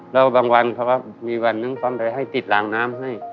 แล้วบางวันครับมีวันหนึ่งต้องไปให้ติดหลางน้ำให้